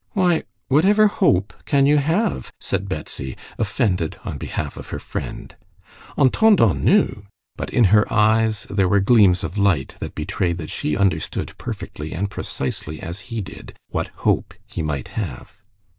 "Why, whatever hope can you have?" said Betsy, offended on behalf of her friend. "Entendons nous...." But in her eyes there were gleams of light that betrayed that she understood perfectly and precisely as he did what hope he might have.